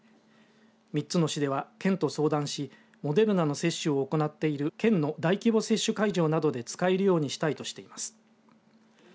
３つの市では、県と相談しモデルナの接種を行っている県の大規模接種会場などで使えるようにしたいとしています。